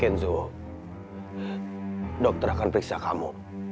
kenzo dokter akan periksa kamu